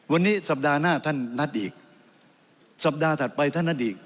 วันนี้สัปดาห์หน้าท่านนัดอีกสัปดาห์ถัดไปท่านนัดอีก